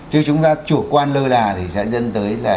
chứ chúng ta chủ quan lơ là thì sẽ dẫn tới là